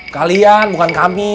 kalian bukan kami